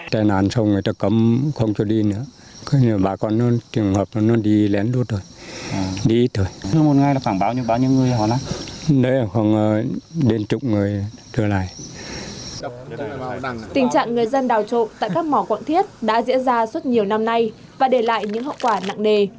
tình trạng người dân đào trộm tại các mỏ quạng thiết đã diễn ra suốt nhiều năm nay và để lại những hậu quả nặng nề